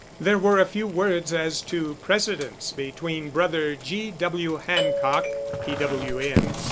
There were a few words as to precedence between Brother G. W. Hancock (P.W.M.)